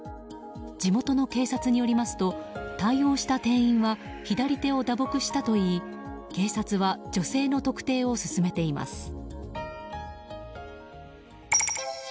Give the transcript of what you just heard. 地元の警察によりますと対応した店員は左手を打撲したといい、警察は女性の特定を進めています。